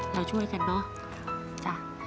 เราช่วยกันเนอะจ้ะ